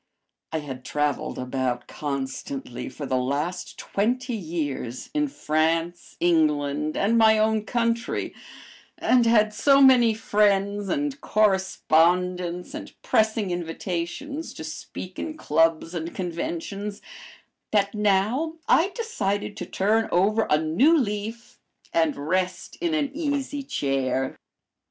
I had traveled about constantly for the last twenty years in France, England, and my own country, and had so many friends and correspondents, and pressing invitations to speak in clubs and conventions, that now I decided to turn over a new leaf and rest in an easy chair.